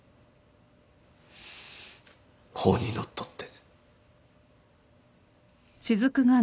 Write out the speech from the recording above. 法にのっとって。